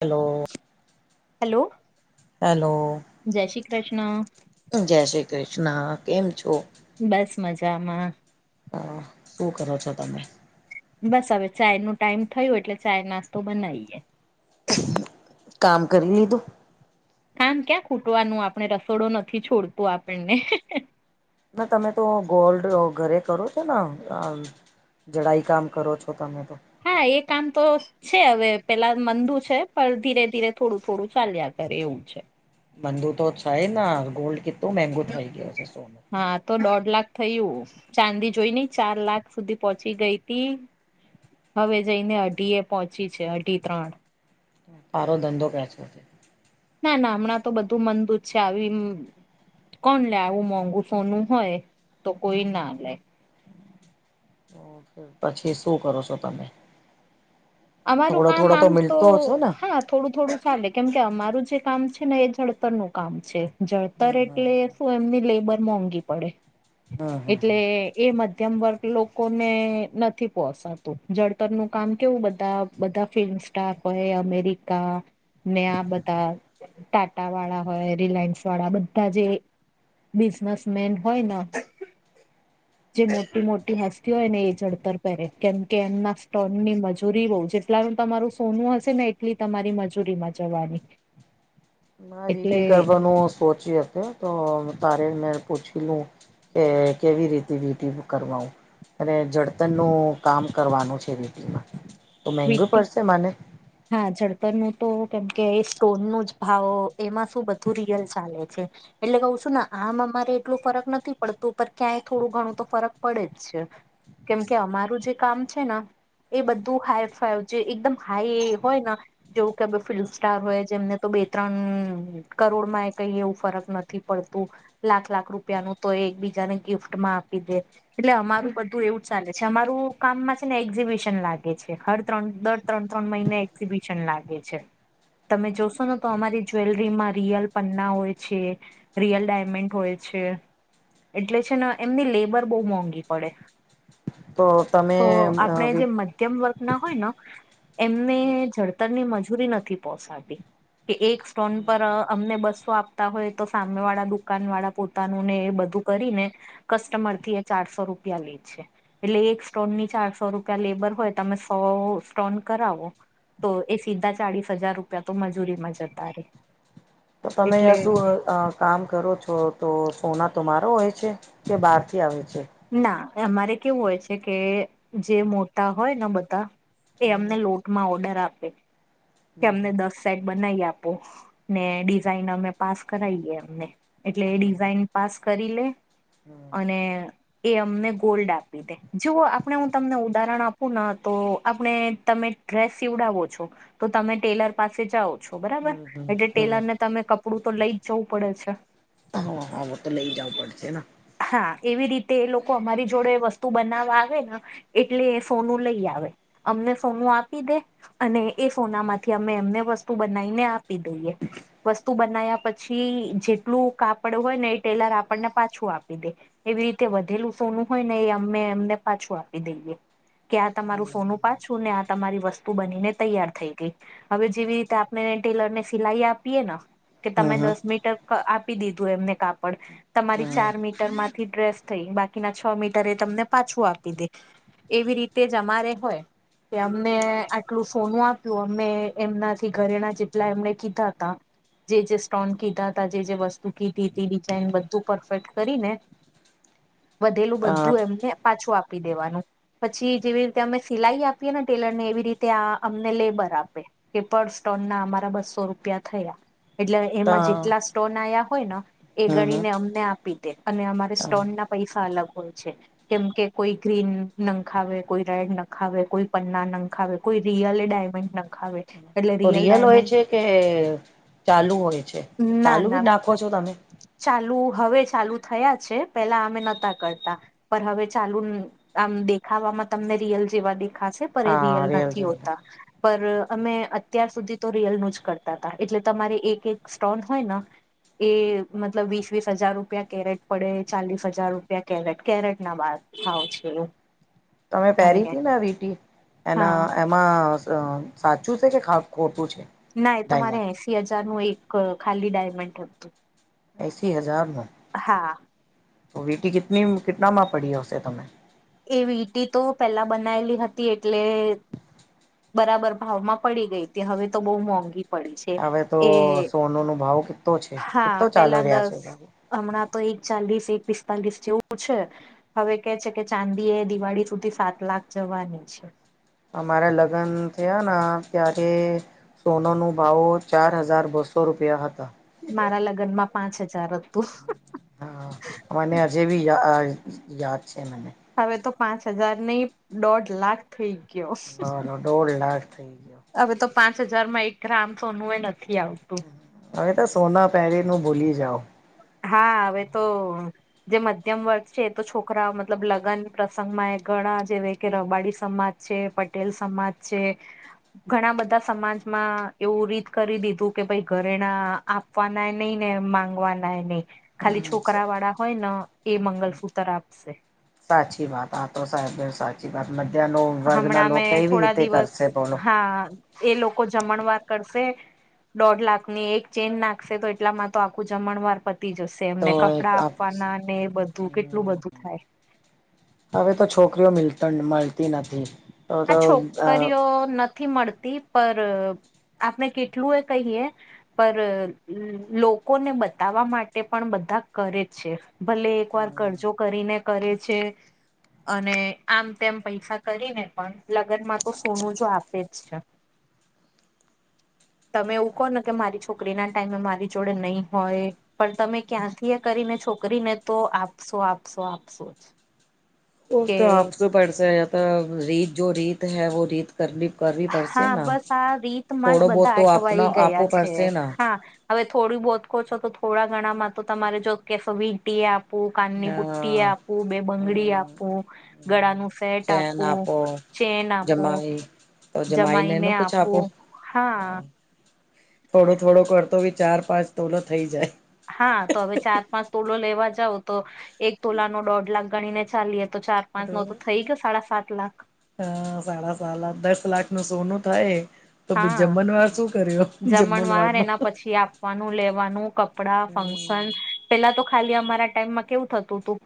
Hello hello hello જય શ્રી કૃષ્ણ જય શ્રી કૃષ્ણ કેમ છો? બસ મજામાં. હ શું કરો છો તમે? બસ હવે ચાય નો ટાઈમ થયયો એટલે ચાય નાસ્તો બનાવીએ કામ કરી લીધું? કામ ક્યાં ખૂટવાનું આપણે રસોડો નથી છોડતું આપણને ના તમે તો ગોલ્ડ ઘરે કરો છો ને અ જડાઈ કામ કરો છો તમે તો હા એ કામ તો છે, હવે પેલા મંદુ છે, પણ ધીરે ધીરે થોડું થોડું ચાલ્યા કરે એવું છે. મંદુ તો છાય ના ગોલ્ડ કેતુ મેગુ થાય ગયો સોનુ હા તો દોઢ લાખ થયું ચાંદી જોઈ ની ચાર લાખ સુધી પહોંચી ગઈતી હવે જઈને અઢી એ પહોંચી છે, અઢી ત્રણ તારો ધંધો બેસે છે. ના ના હમણાં તો બધું મંદુજ છે, આવી કોણ લે આવું મોંઘુ સોનું હોય તો કોઈ ના લે પછી શું કરો છો તમે? અમારું થોડો કામ થોડો આમ તો મિલતો હશો ને હા થોડું થોડું ચાલે કેમ કે અમારું જે કામ છે, ને એ જડતર નું કામ છે. હમ જળતર હમ એટલે શું એમની લેબર મોંઘી પડે હમ હમ હમ એટલે એ મધ્યમ વર્ગ લોકોને નથી પોસાતું જળતરનું કામ કેવું બ તા બધા ફિલ્મ સ્ટાર હોય અમેરિકા ને આ બધા ટાટા વાળા હોય રિલાયન્સ વાળા બધા જે બિઝનેસમેન હોય ન જે મોટી મોટી હસ્તી હોય ને એ જળતર પહેરે કેમકે એમના સ્ટોનની મજ [unintelligible] જેટલા નું તમારું સોનું હશે ને એટલી તમારી મજૂરીમાં જવાની ના એટલે વીટી કરવાનું સોચી હતી તો તારે મે પૂછી લઉં કે કેવી રીતી વીંટી હું કરવાઉં? અને જડતરનું કામ કરવાનું છે, વીંટીમાં તો મેંઘુ વીટી પડશે મને? હા જડતર નું તો કેમકે એ સ્ટોનનો જ ભાવ એમાં શું બધું રિયલ ચાલે છે. એટલે કહું છું ને આમ અમારે એટલો ફરક નથી પડતો પણ ક્યાંય થોડું ઘણું તો ફરક પડે જ છે. કેમકે અમારું જે કામ છે, ન એ હાઈ ફાઈવ જે એકદમ હાઈ હોય ન જેવું કે બે ફિલ્મ સ્ટાર હોય જેમને તો બે ત્રણ કરોડમાં એ કઈ એવું ફરક નથી પડતું. લાખ લાખ રૂપિયાનું તો એકબીજાને ગિફ્ટમાં આપી દે એટલે અમારું બધું એવું ચાલે છે, અમારું કામમાં છે, ને એક્ઝિબિશન લાગે છે, હર ત્રણ દર ત્રણ ત્રણ મહિને એક્ઝિબિશન લાગે છે. તમે જોશો ને તો અમારી જ્વેલરીમાં રિયલ પન્ના હોય છે. રિયલ ડાયમંડ હોય છે. એટલે છે, ને એમની લેબર બો મોંઘી પડે તો તમે તો આપણે જે મધ્યમ વર્ગન હોય ન એમને જડતરની મજૂરી નથી પોસાતી. કે એક સ્ટોન પર અમને બસો આપતા હોય તો સામે વાળા દુકાન વાળા પો તાનું ને એ બધું કરીને કસ્ટમરથી એ ચારસો રૂપિયા લે છે. એટલે એક સ્ટોન ની ચારસો રૂપિયા લેબર હોય તમે સો સ્ટોન કરાવો તો એ સીધા ચાળસ હજાર રૂપિયા તો મજૂરીમાં જતા રે. તો તમે એટલે અજું અ કામ કરો છો તો સોના તોમારો હોય છે કે બહારથી આવે છે? ના એમારે કેવું હોય છે કે જે મોટા હોય ને બધા એ અમને લોટમાં ઓર્ડર આપે કે અમને દસ સેટ બનાઈ આપો ને ડિઝાઇન અમે પાસ કરાઈએ એમને એટલે એ ડિઝાઇન પાસ કરી લે [inaudible] અને એ અમને ગોલ્ડ આપી દે જો આપણે હું તમને ઉદાહરણ આપું ને તો આપણે તમે ડ્રેસ સીવડાવો છો તો તમે ટેલર પાસે જાઓ છો બરાબર એટલે ટેલર ને તમે કપડું તો લઈ જ જવું પડે છે. હા હા વો તો લઇ જાવું પડશે ને. હા એવી રીતે એ લોકો અમારી જોડે વસ્તુ બનાવવા આવે ને એટલે એ સોનું લઈ આવે અમને સોનું આપી દે અને એ સોનામાંથી અમે એમને વસ્તુ બનાવીને આપી દઈએ વસ્તુ બનાયા પ છી જેટલું કાપડું હોય ને એ ટેલર આપણને પાછું આપી દે. એવી રીતે વધેલુ સોનું હોય ને એ અમે એમને પાછું આપી દઈએ કે આ તમારું સોનું પાછું ને આ તમારી વસ્તુ બનીને તૈયાર થઈ ગઈ હવે જેવી રીતે આપણે ટેલરને સિલાઈ આપીએ ન કે તમે હમ દસ મીટર અ આપી દીધું એમને કાપડ તમારી હમ ચાર મીટરમાં થી ડ્રેસ થઈ બાકીના છ મીટર એ તમને પાછું આપી દે એવી રીતે જ અમારે હોય કે અમને આટલું સોનું આપ્યું અમે એમનાથી ઘરેણા જેટલા એમને કીધા હતા. જે જે સ્ટોન કીધા હતા જે જે વસ્તુ કીધી હતી ડિઝાઇન બધું પરફેક્ટ કરીને વધેલું હમ અ બધું એમને એમ પાછું આપી દેવાનું પછી જેવી રીતે અમે સિલાઈ આપીએ ને ટેલરને એવી રીતે આ અમને લેબર આપે તે પણ સ્ટોનના અમારા બસો રૂપિયા થયા. એટલે ત એમાં જેટલા સ્ટોન આયા હોય ન એ હમ ગણીને અમને આપી દે અને અમારે હમ સ્ટોન ના પૈસા અલગ હોય છે. કેમ કે કોઈ ગ્રીન નંખાવે કોઈ રેડ નખાવે કોઈ પન્ના નખાવે કોઈ રિયલે એ ડાયમંડ નખાવે તો રિયલ હોય છે કે ચાલુ હોય છે ના ચાલુ ના બી નાખ [inaudible] [inaudible] ચાલુ હવે ચાલુ થયા છે પેલા અમે નહાતા કરતા પર હવે ચાલુ આમ દેખાવામાં તમને રિયલ જેવા દેખાશે. પર એ રિયલ હા નથી છે હોતા પર અમે અત્યાર સુધી તો રિયલનું જ કરતા હતા એટલે તમારે એક એક સ્ટોન હોય ન એએએ. મતલબ વીસ વીસ હજાર રૂપિયા કેરેટ પડે ચાલીસ હજાર રૂપિયા કેરેટ કેરેટના બાલ ભાવ છે એવું [unintelligible] તમે પહેરીતીને વીટી હા એના મા સ સાચું છે કે ખોટું છે ના એ તો મારે ડાયમંડ એંસી હજારનું એક ખાલી ડાયમંડ હતું એંસી હજારનું હા. તો વીંટી કિતની કેટલામાં પડી હશે તમે એ વીંટી તો પેલા બનાયેલી હતી એટલે બરાબર ભાવમાં પડી ગઈ હતી હવે તો બહુ મોંઘી પડી છે હવે તો એ સોનો નો ભાવ કેટલો છે હા કેટલો ચાલી પેલા રહ્યા છે દસ હમણાં તો એક ચાલીસ એક પિસ્તાલીસ જેવું છે હવે કે છે કે ચાંદી એ દિવાળી સુધી સાત લાખ જવાની છે. અમારા લગ્ન થયાના ત્યારે સોનાનો ભાવો ચાર હજાર બસો રૂપિયા હતા મારા લગ્નમાં પાંચ હજાર હતું. હા હા કોને હજેવી યા યાદ છે મને. હવે તો પાંચ હજાર નઈ દોઢ લાખ થઈ ગયો. મારો દોઢ લાખ થઈ ગયો. હવે તો પાંચ હજારમાં એક ગ્રામ સોનું એ નથી આવતું. હવે તો સોના પહેરીને ભૂલી જાઓ. હા હવે તો જે મધ્યમ વર્ગ છે એ તો છોકરા મતલબ લગ્ન પ્રસંગમાં એ ઘણા જેવા કે રબારી સમાજ છે પટેલ સમાજ છે. ઘણા બધા સમાજમાં એવું રીત કરી દીધું કે ભાઈ ઘરેણા આપ આપવાના નહી ને માંગવાના કાઈ નઈ ખાલી છોકરાવાળા હોય ને એ મંગલસૂતર આપશે. સાચી વાત આ તો સાહેબ સાચી વાત મધ્યનો વર્ગના હમણાં લોકો મેં કેવી થોડા રીતે દિવસ કરશે બોલો, હા એ લોકો જમણવાર કરશે, દોઢ લાખની એક ચેઇન નાખશે તો એટલામાં તો આખું જમણવાર પતી જશે. તો એમને એક કપડા આપવાના ને એ બધું કેટલું બધું થાય. હવે તો છોકરીઓ મિલતા મળતી નથી. તો તો હા અ છોકરીઓ નથી મળતી પર આપણે કેટલું એ કહીએ. પર લોકોને બતાવા માટે પણ બધા કરે છે. ભલે એક વાર કરજો કરીને, કરે છે અને આમ તેમ પૈસા કરીને, પણ લગ્નમાં તો સોનું જો આપે જ છે. તમે એવું કહો ને કે મારી છોકરીના ટાઈમે મારી જોડે નહી હોય, પણ તમે ક્યાંથી કરીને છોકરીને તો આપશો, આપશો, આપશો જ, તો કે તો આપશુ પડસે એ તો રીત જો રીત હૈ વો રીત કરવી કરવી. પડશે હા ને બસ આ રીતમાં જ થોડો બહુત બધા તો આપનો અટવાઈ ગયા આપવો છે, પડશે ને હા હવે થોડૂ બહુત કો છો તો થોડા ઘણામાં તો તમારે જો કે વીંટી આપ- આપું કાનની બુટ્ટી, એ હા આપુ બે બંગડી આપું, ગળાનું સેટ ચેન આપુ આપો ચેના આપુ જમાઈ તો જમાઈને એ ન કુછ આપો, હા થોડો થોડો કરતો બી ચાર પાંચ તોલુ થઈ જાય. હા તો હવે ચાર પાંચ તોલૂ લેવા જાવ તો એક તોલાનો દોઢ લાખ ગણીને ચાલીએ તો ચાર પાંચ નો તો થઈ ગયું, સાડા સાત લાખ હ સાડા સાત લાખ દસ લાખનું સોનું થાય. તો ભી હા જમણવાર શું કર્યો, જમણવાર જમનવારનો એના પછી આપવાનું, લેવાનું, કપડા, ફંક્શન, પેલા તો ખાલી અમારા ટાઈમમાં કેવું થતું તું.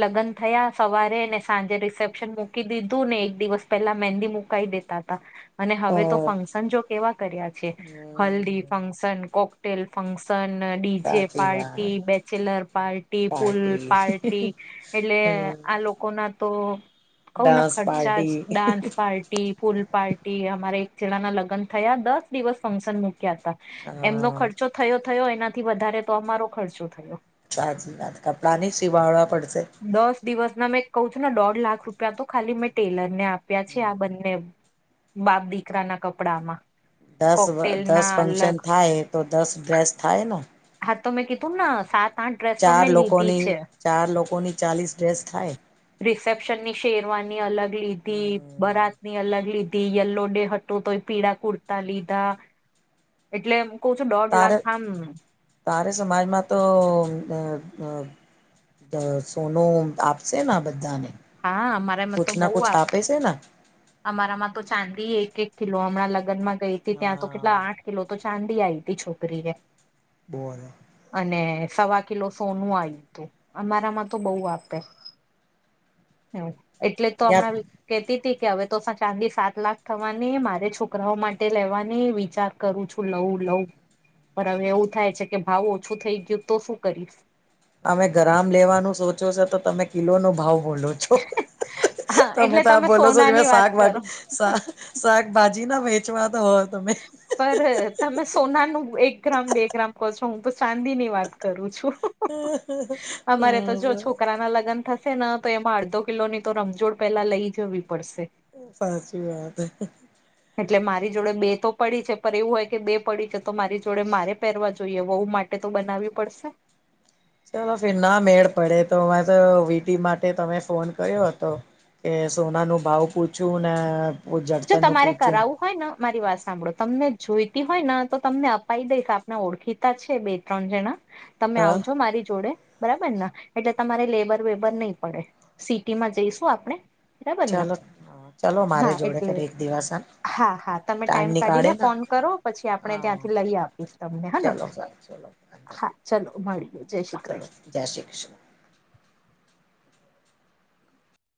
લગ્ન થયા સવારે ને સાંજે રિસેપ્શન મૂકી દીધું, ને એક દિવસ પહેલા મેંહદી મુકાઈ દે તા તા. અને હવે તો ફંક્શન જો કેવા કર્યા છે. હલ્દી હમ ફંક્શન, કોકટેલ ફંક્શ શન, ડીજે સાચી પાર્ટી, વાત bachelor party, pool party party, એટલે હમ આ લોકોના તો કઉ ના ડાન્સ ખર્ચા જ party dance party, pool party અમારે એક જણાના લગ્ન થયા દસ દિવસ ફંક્શન મૂક્યા હતા, એમનો હા ખર્ચ ચો થયો -થયો, એનાથી વધારે તો અમારો ખર્ચો થયો. સાચી વાત કપડાં નહીં શીવાળવા પડશે. દસ દિવસ ના મેં કહુ છું ને દોઢ લાખ રૂપિયા તો ખાલી મેં ટેલર ને આ- -પ્યા છે આ બંને, બાપ દીકરાના કપડામાં. દસ કોકટેલ -દસ ના ફંક્શન અલગ થાય તો, દસ ડ્રેસ થાય ના. હા તો મેં કીધું ને સાત આઠ ડ્રેસો ચાર મેં લીધી લોકોની છે ચાર લોકોની ચાલીસ ડ્રેસ થાય. રિસેપ્શનની શેરવાની અલગ લીધી, બરાતની અલગ લીધી, યલો ડે તો એ પીળા કુર્તા લીધા, એટલે કઉ છું દોઢ તારે લાખ આમ તારે સમાજમાં તો [unintelligible] તો સોનું આપશેના બધા ને, હા અમારામાં તો કુછ ના બહુ કુછ આપે આપ્યું છે ના. અમારામાં તો ચાંદી એક -એક કિલો. હમણાં લગ્નમાં ગઈ હતી ત્યાં તો કેટલા હા આઠ કિલો તો ચાંદી આઈપી છોકરીને. બોલે. અને સવા કિલો સોનું આવ્યું તું. અમારામાં તો બહુ આપે. એટલે તો ત્યાં હમણાં કેતીતી કે હવેતો ચાંદી સાત લાખ થવાની, મારે છોકરાઓ માટે લેવાની વિચાર કરું છું લવું-લઉં પણ હવે એવું થાય છે કે ભાવ ઓછું થઈ ગયું તો શું કરીશ. અમે ગ્રામ લેવાનું સોચો છો, તો તમે કિલોનો ભાવ બોલો છો. હા તમે એટલે તો આ બોલો છો, જે મેં સોનાની વાત શાક વાગ કરો શા શાકભાજીના વેચવાના તો હોત. પર તમે સોનાનું એક ગ્રામ બે ગ્રામ કો છો. હું તો ચાંદીની વાત કરું છું. અમારે તો જો હા છોકરાના લગન થ સે ન તો એમાં અડધો કિલોની તો રમજોડ પેલા લઈ જવી પડશે. સાચી વાત હે. એટલે મારી જોડે બે તો પડી છે પર એવું હોય કે બે પડી છે તો મારી જોડે મારે પેહરવા જોઈએ. વહું માટે તો બનાવવી પડશે. ચલો ફિર ના મેળ પડે તો, આ તો વીટી માટે તમે ફોન કર્યો હતો. કે સોનાનું ભાવ પૂછું ને જો જળતર નું તમારે પૂછું કરાવું હોય ન મારી વાત સાંભળો, તમને જોઈતી હોય ન તો તમને અપાઈ દઈશ, આપના ઓળખીતા છે બે-ત્રણ જણા. તમે હ આવજો મારી જોડે. બરાબર ના એટલે તમારે લેબર વેબર નઈ પડે. સિટીમાં જઈશું આપણે. બરાબર ને ચાલો -ચાલો મારે હા જોડે એટલે ક્યારેય એક દિવસ. હા- હા, તમે ટાઈમ નીકાળે કાઢીને ને ફોન કરો, પછી આપણે હા ત્યાંથી લઈ આપીશ તમને હન. ચલો સારું ચલો બાય. હા ચલો મળીએ જય શ્રી કૃષ્ણ જય શ્રી કૃષ્ણ